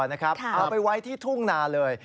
เอาไปไว้ที่ทุ่งนาเลย